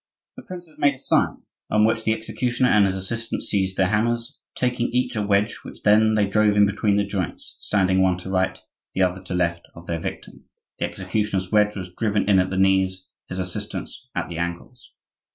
The princes made a sign, on which the executioner and his assistant seized their hammers, taking each a wedge, which then they drove in between the joints, standing one to right, the other to left of their victim; the executioner's wedge was driven in at the knees, his assistant's at the ankles.